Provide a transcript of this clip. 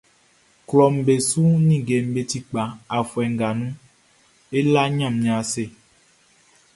Klɔʼn i su ninngeʼm be ti kpa afuɛ nga nun, e la Ɲanmiɛn ase.